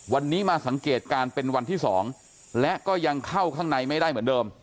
วันนี้มาสังเกตการณ์เป็นวันที่๒และก็ยังเข้าข้างในไม่ได้เหมือนเดิม